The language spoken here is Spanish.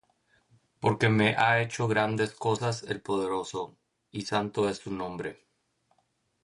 Porque me ha hecho grandes cosas el Poderoso; Y santo es su nombre.